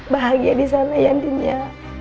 bahagia disana ya din ya